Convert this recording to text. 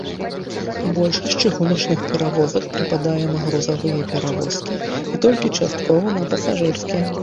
Большасць чыгуначных перавозак прыпадае на грузавыя перавозкі, і толькі часткова на пасажырскія.